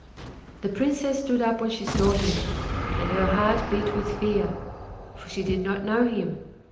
The Princess stood up when she saw him, and her heart beat with fear, for she did not know him.